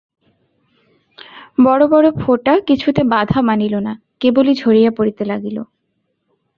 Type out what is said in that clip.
বড়ো বড়ো ফোঁটা কিছুতে বাধা মানিল না, কেবলই ঝরিয়া পড়িতে লাগিল।